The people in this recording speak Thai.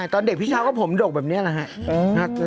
ตอนเด็กพี่เช้าก็ผมดกแบบนี้แหละฮะ